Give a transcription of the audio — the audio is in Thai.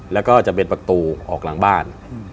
แล้วก็จะเป็นประตูออกหลังบ้าน